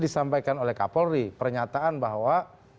disampaikan oleh kapolri pernyataan bahwa